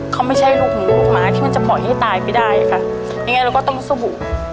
เขาไม่ใช่ลูกของลูกหมาที่มันจะปล่อยให้ตายไปได้ค่ะยังไงเราก็ต้องสู้